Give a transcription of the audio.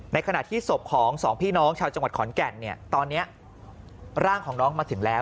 ขณะที่ศพของสองพี่น้องชาวจังหวัดขอนแก่นเนี่ยตอนนี้ร่างของน้องมาถึงแล้ว